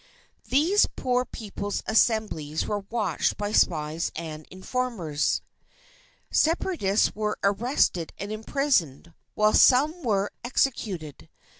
These poor people's Assemblies were watched by spies and informers. Separatists were arrested and imprisoned, while some were executed.